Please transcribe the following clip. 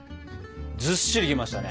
ずっしりきましたね。